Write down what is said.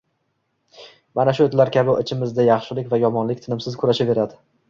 Mana shu itlar kabi ichimizda yaxshilik va yomonlik tinimsiz kurashadi